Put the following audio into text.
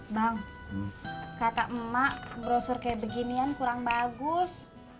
bang kata emak brosur kayak beginian kurang bagus